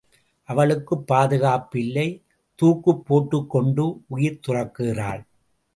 அவளுக்குப் பாதுகாப்பு இல்லை தூக்குப் போட்டுக்கொண்டு உயிர் துறக்கிறாள்.